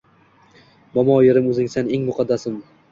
Momo yerim, o’zingsan eng muqaddasim